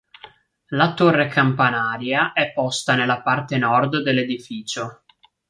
La torre campanaria è posta nella parte nord dell'edificio.